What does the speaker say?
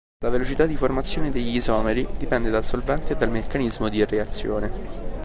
La velocità di formazione degli isomeri dipende dal solvente e dal meccanismo di reazione.